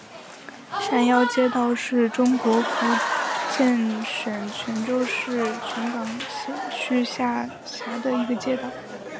山腰街道是中国福建省泉州市泉港区下辖的一个街道。